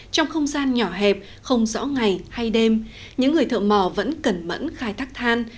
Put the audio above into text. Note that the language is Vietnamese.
trong không gian nhỏ hẹp không rõ ngày hay đêm những người thợ mò vẫn cẩn mẫn khai thác than